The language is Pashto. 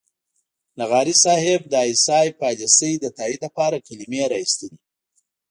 لغاري صاحب د اى ايس اى پالیسۍ د تائید لپاره کلمې را اېستلې.